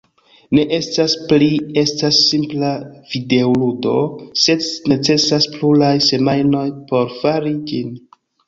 Ne estas pli, estas simpla videoludo, sed necesas pluraj semajnoj por fari ĝin.